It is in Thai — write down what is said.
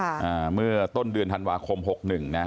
อ่าเมื่อต้นเดือนธันวาคมนคร๖๑